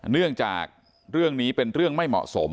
เนื่องจากเรื่องนี้เป็นเรื่องไม่เหมาะสม